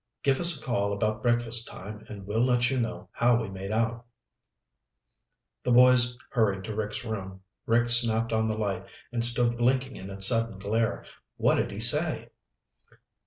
Give us a call about breakfast time and we'll let you know how we made out." The boys hurried to Rick's room. Rick snapped on the light and stood blinking in its sudden glare. "What did he say?"